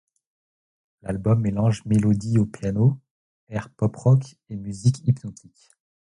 L'album mélange mélodies au piano, airs pop-rock et musique hypnotique.